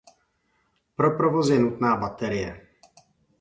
Pro provoz je nutná baterie.